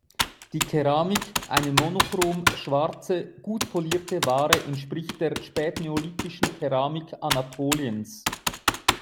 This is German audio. Die Keramik, eine monochrom schwarze, gut polierte Ware, entspricht der spätneolithischen Keramik Anatoliens.